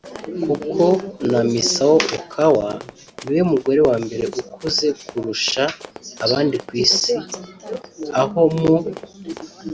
Kuko na Misao Okawa ni we mugore wa mbere ukuze kurusha abandi ku Isi aho mu